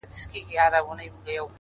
اوس په ځان پوهېږم چي مين يمه.